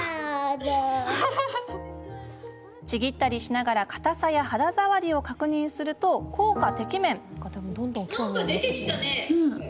ちぎったりしながらかたさや肌触りを確認すると効果てきめん。